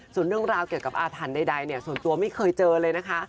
ส่วนเรื่องราวเกี่ยวกับอาถรรพ์ใดเนี่ยส่วนตัวไม่เคยเจอเลยนะคะ